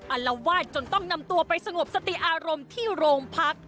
อารวาสจนต้องนำตัวไปสงบสติอารมณ์ที่โรงพัก